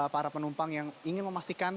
para penumpang yang ingin memastikan